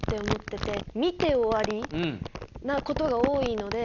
見て終わりなことが多いので。